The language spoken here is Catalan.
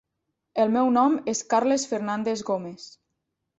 El meu nom és Carles Fernández Gómez.